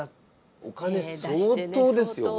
お金相当ですよこれ。